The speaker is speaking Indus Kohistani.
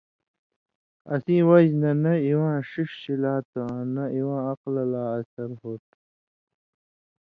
اسیں وجہۡ نہ، نہ اِواں ݜِݜ شِلا تُھو آں نہ اِواں عقلہ لا اثر ہو تُھو۔